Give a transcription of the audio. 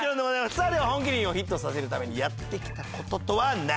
さあでは本麒麟をヒットさせるためにやってきた事とは何？